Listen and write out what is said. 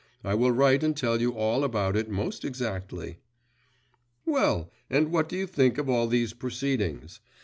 I will write and tell you all about it most exactly. Well, and what do you think of all these proceedings?